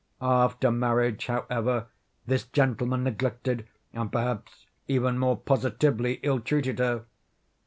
After marriage, however, this gentleman neglected, and, perhaps, even more positively ill treated her.